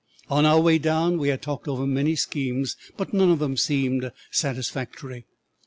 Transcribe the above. On our way down we had talked over many schemes, but none of them seemed satisfactory.